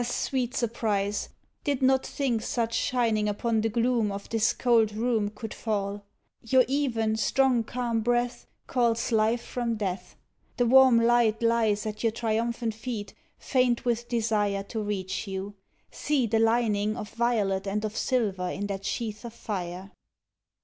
Ah, sweet surprise! did not think such shining Upon the gloom Of this cold room Could fall. Your even, strong, calm breath Calls life from death. The warm light lies At your triumphant feet, faint with desire To reach you. See! The lining Of violet and of silver in that sheath of fire!